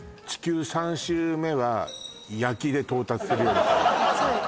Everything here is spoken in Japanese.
地球３周目は焼きで到達するようにするそうです